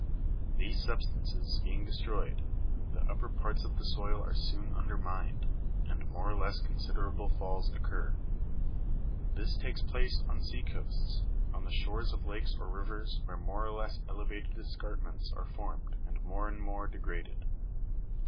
These substances being destroyed, the upper parts of the soil are soon undermined, and more or less considerable falls occur. This takes place on sea coasts, on the shores of lakes or rivers where more or less elevated escarpments are formed, and more and more degraded.